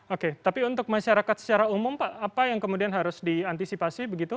oke tapi untuk masyarakat secara umum pak apa yang kemudian harus diantisipasi begitu